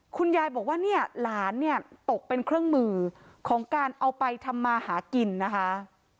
คุณยายบอกว่าเนี่ยหลานเนี่ยตกเป็นเครื่องมือของการเอาไปทำมาหากินนะคะ